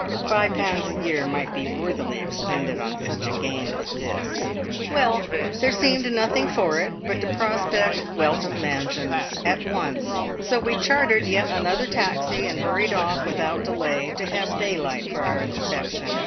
Five pounds a year might be worthily expended on such a gain as this! Well, there seemed nothing for it but to prospect Weltham Mansions at once, so we chartered yet another taxi, and hurried off without delay to have daylight for our inspection.